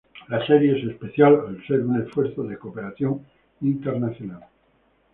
La serie es especial al ser un esfuerzo de cooperación internacional.